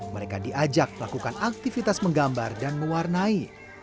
mereka diajak melakukan aktivitas menggambar dan mewarnai